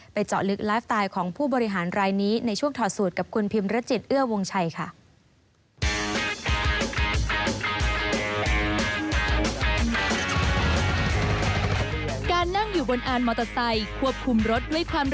เจาะลึกไลฟ์สไตล์ของผู้บริหารรายนี้ในช่วงถอดสูตรกับคุณพิมรจิตเอื้อวงชัยค่ะ